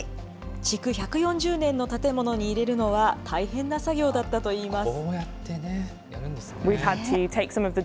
築１４０年の建物に入れるのは大変な作業だったといいます。